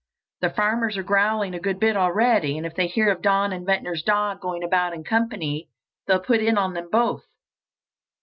The farmers are growling a good bit already, and if they hear of Don and Ventnor's dog going about in company, they'll put it on them both.